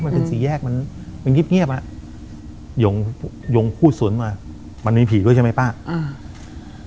มันเป็นสี่แยกมันมันเงียบเงียบอ่ะยงหยงพูดสวนมามันมีผีด้วยใช่ไหมป้าอ่า